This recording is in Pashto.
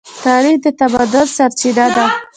تاریخ د تمدن سرچینه ده.